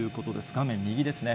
画面右ですね。